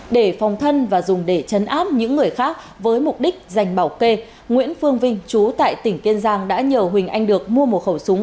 để phòng thân và dùng để chấn áp những người khác với mục đích dành bảo kê nguyễn phương vinh chú tại tỉnh kiên giang đã nhờ huỳnh anh được mua một khẩu súng